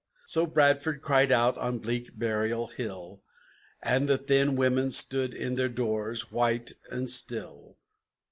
So Bradford cried out on bleak Burial Hill, And the thin women stood in their doors, white and still.